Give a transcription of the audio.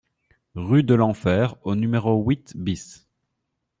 Rue de l'Enfer au numéro huit BIS